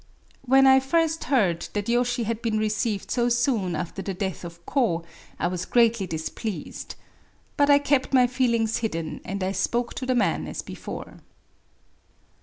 — When I first heard that Yoshi had been received so soon after the death of K5, I was greatly displeased. But I kept my feelings hidden, and I spoke to the man as before.